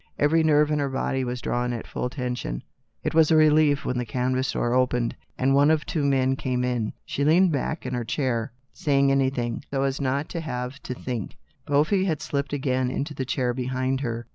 Every nerve in her body was drawn at full tension. It was a relief when the canvas door opened, and one or two men came in. She leaned back in her chair, saying anything, so as not to have to think. The pale faced boy had slipped again into the chair behind her.